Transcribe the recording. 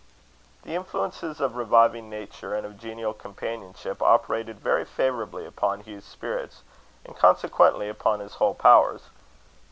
The influences of reviving nature and of genial companionship operated very favourably upon Hugh's spirits, and consequently upon his whole powers.